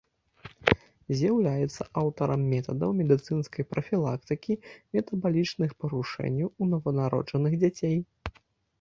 З'яўляецца аўтарам метадаў медыцынскай прафілактыкі метабалічных парушэнняў ў нованароджаных дзяцей.